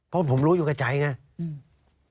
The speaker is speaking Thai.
เพราะผมรู้อยู่กับใจไงอืม